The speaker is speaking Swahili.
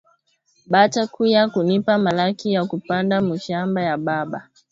Bata kuya kunipa malaki yaku panda mu mashamba ya baba